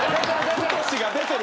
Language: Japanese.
「太が出てる！」